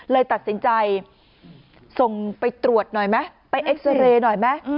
เลยตัดสินใจส่งไปตรวจหน่อยมั้ยไปเอ็กซอเลน่อยมั้ย